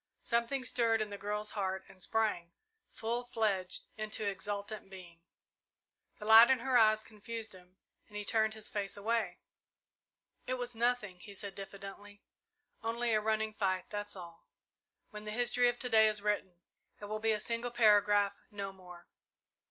Something stirred in the girl's heart and sprang, full fledged, into exultant being. The light in her eyes confused him, and he turned his face away. "It was nothing," he said diffidently, "only a running fight that's all. When the history of to day is written, it will be a single paragraph no more.